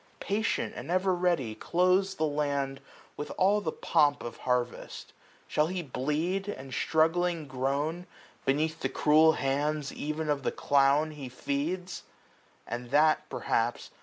Patient and ever ready, clothes the land With all the pomp of harvest ; shall he bked, 365 And struggling groan beneath the cruel hands Ev'n of the clown he feeds ? and that, perhaps.